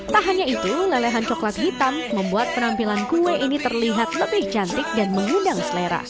tak hanya itu lelehan coklat hitam membuat penampilan kue ini terlihat lebih cantik dan mengundang selera